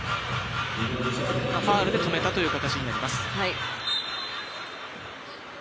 ファウルで止めた形になります。